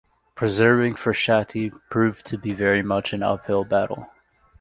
Preserving Frescati proved to be very much an uphill battle.